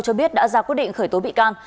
cho biết đã ra quyết định khởi tố bị can